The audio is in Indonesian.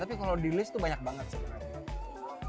tapi kalau di list tuh banyak banget sebenarnya